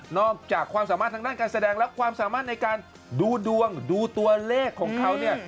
อกจากความสามารถทางด้านการแสดงและความสามารถในการดูดวงดูตัวเลขของเขาเนี่ย